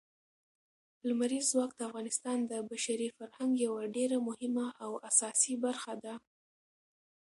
لمریز ځواک د افغانستان د بشري فرهنګ یوه ډېره مهمه او اساسي برخه ده.